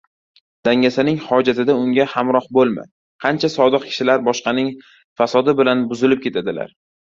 Dangasaning hojatida unga hamroh bo‘lma, qancha sodiq kishilar boshqaning fasodi bilan buzilib ketadilar.